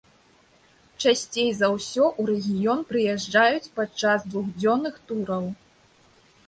Часцей за ўсё ў рэгіён прыязджаюць падчас двухдзённых тураў.